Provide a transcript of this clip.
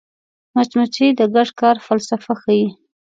مچمچۍ د ګډ کار فلسفه ښيي